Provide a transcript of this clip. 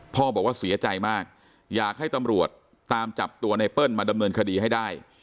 พ่อบอกว่าเสียใจมากอยากให้ตำรวจตามจับตัวไนเปิ้ลมาดำเนินคดีให้ได้